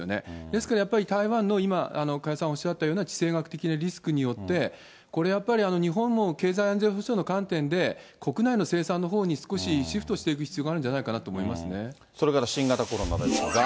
ですからやっぱり台湾の今、加谷さんおっしゃったような地政学的なリスクによって、これやっぱり、日本も経済安全保障の観点で、国内の生産のほうに少しシフトしていく必要があるんじゃないかなそれから新型コロナですが。